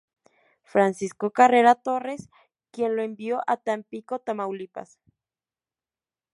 Francisco Carrera Torres, quien lo envió a Tampico, Tamaulipas.